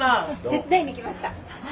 手伝いに来ました。